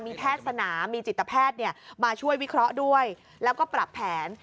มีแพทย์สนามีจิตแพทย์มาช่วยวิเคราะห์ด้วยแล้วก็ปรับแผน